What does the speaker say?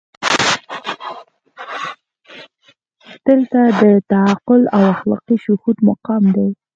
دلته د تعقل او اخلاقي شهود مقام دی.